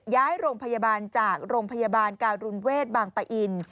ย้ายโรงพยาบาลจากโรงพยาบาลการุณเวทบางปะอิน